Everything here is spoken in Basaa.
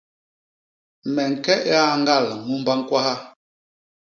Me ñke i añgal ñumba ñkwaha.